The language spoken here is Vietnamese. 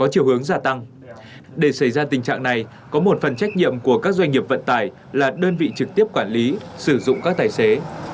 tiêu hướng gia tăng để xảy ra tình trạng này có một phần trách nhiệm của các doanh nghiệp vận tải là đơn vị trực tiếp quản lý sử dụng các tài xế